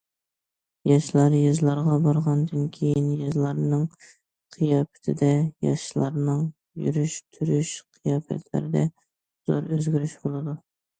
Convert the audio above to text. ياشلار يېزىلارغا بارغاندىن كېيىن يېزىلارنىڭ قىياپىتىدە، ياشلارنىڭ يۈرۈش- تۇرۇش، قىياپەتلىرىدە زور ئۆزگىرىش بولدى.